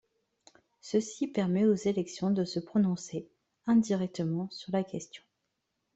Ceci permet aux élections de se prononcer, indirectement, sur la question.